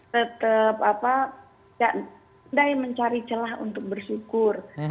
tetap apa tidak mencari celah untuk bersyukur